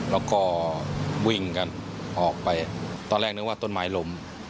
แล้วก็วิ่งกันออกไปตอนแรกนึกว่าต้นไม้ล้ม